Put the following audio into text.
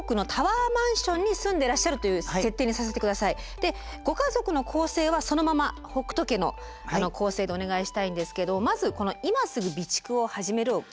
でご家族の構成はそのまま北斗家の構成でお願いしたいんですけどまずこの「今すぐ備蓄を始める！」をちょっとクリックして下さい。